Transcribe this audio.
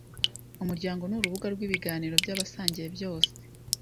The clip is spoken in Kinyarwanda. Umuryango ni urubuga rw’ibiganiro by’abasangiye byose: